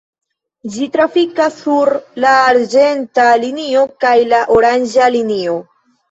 Ĝi trafikas sur la arĝenta linio kaj la oranĝa linio.